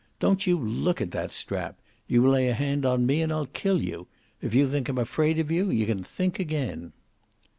Don't you look at that strap. You lay a hand on me and I'll kill you. If you think I'm afraid of you, you can think again."